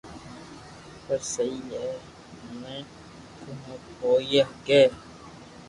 پر سھي ھي ھمي ڪاو ھوئي ھگي